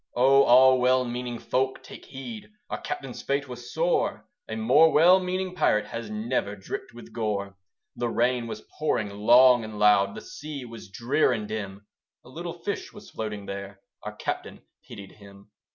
Oh all well meaning folk take heed! Our Captain's fate was sore; A more well meaning Pirate, Had never dripped with gore. The rain was pouring long and loud, The sea was drear and dim; A little fish was floating there: Our Captain pitied him.